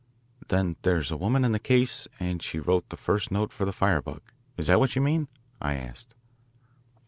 "Then there's a woman in the case, and she wrote the first note for the firebug is that what you mean?" I asked.